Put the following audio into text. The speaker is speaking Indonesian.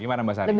gimana mbak sari